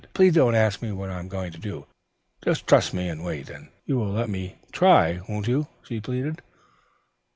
Please don't ask me what I am going to do. Just trust me and wait. You will let me try, won't you?" she pleaded.